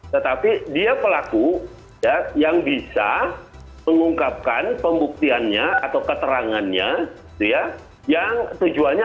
tetapi dia pelaku yang bisa mengungkapkan pembuktiannya atau keterangannya yang tujuannya